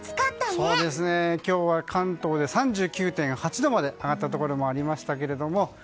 そうですね、今日は関東で３９．８度まで上がったところもありましたけれども。